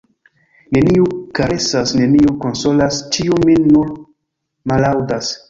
Neniu karesas, neniu konsolas, ĉiu min nur mallaŭdas.